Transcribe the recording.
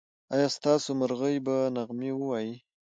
ایا ستاسو مرغۍ به نغمې وايي؟